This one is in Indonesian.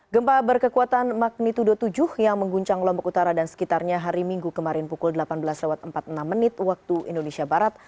gempa berkekuatan magnitudo tujuh yang mengguncang lombok utara dan sekitarnya hari minggu kemarin pukul delapan belas empat puluh enam menit waktu indonesia barat